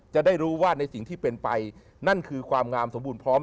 จะได้รู้ว่าในสิ่งที่เป็นไปนั่นคือความงามสมบูรณพร้อม